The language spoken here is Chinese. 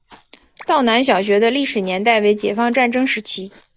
道南小学的历史年代为解放战争时期。